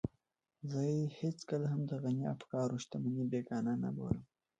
زه هېڅکله هم د غني د افکارو شتمنۍ بېګانه نه بولم.